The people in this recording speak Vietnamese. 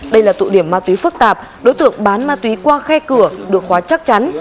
đây là tụ điểm ma túy phức tạp đối tượng bán ma túy qua khe cửa được khóa chắc chắn